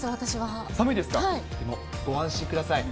でも、ご安心ください。